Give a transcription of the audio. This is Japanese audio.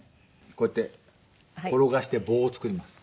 こうやって転がして棒を作ります